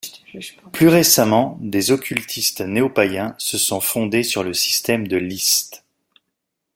Plus récemment, des occultistes néo-païens se sont fondés sur le système de List.